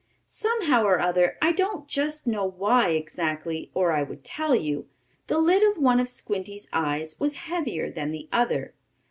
Somehow or other, I don't just know why exactly, or I would tell you, the lid of one of Squinty's eyes was heavier than the other.